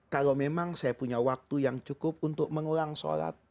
kalau memang saya punya waktu yang cukup untuk mengulang sholat